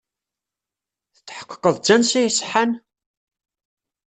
Tetḥeqqeḍ d tansa iṣeḥḥan?